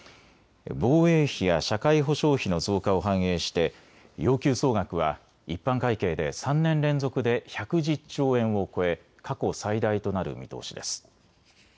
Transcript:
防衛費や社会保障費の増加を反映して要求総額は一般会計で３年連続で１１０兆円を超え過去最大となる見通しです。